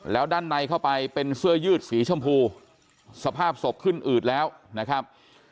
แล้วด้านในเข้าไปเป็นเสื้อยืดสีชมพูสภาพศพขึ้นอืดแล้วนะครับ